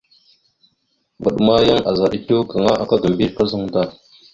Vvaɗ ma yan azaɗ etew gaŋa aka ga mbiyez kazaŋ da.